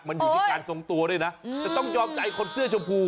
มันอยู่ที่การทรงตัวด้วยนะแต่ต้องยอมใจคนเสื้อชมพู